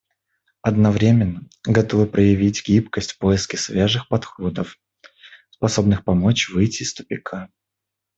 Одновременно, готовы проявлять гибкость в поиске свежих подходов, способных помочь выйти из тупика.